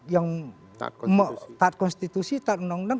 yang taat konstitusi taat undang undang